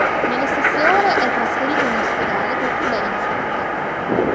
Nelle stesse ore è trasferito in ospedale per problemi di salute.